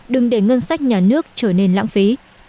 đừng để ngân sách nhà nước trở nên lãng phí